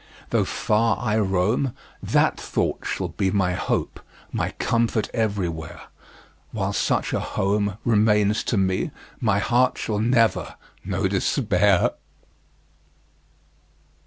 Though far I roam, that thought shall be My hope, my comfort, everywhere; While such a home remains to me, My heart shall never know despair!